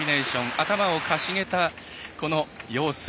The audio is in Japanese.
頭をかしげたこの様子。